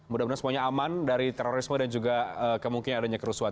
mudah mudahan semuanya aman dari terorisme atau mungkin adanya kerusuhan